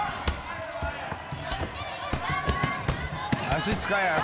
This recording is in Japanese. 足使え足！